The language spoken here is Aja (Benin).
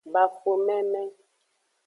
Bafo meme.